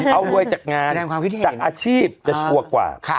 เอารวยจากงานจากอาชีพจะชัวร์กว่า